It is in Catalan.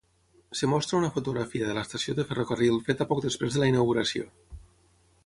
Es mostra una fotografia de l'estació de ferrocarril feta poc després de la inauguració.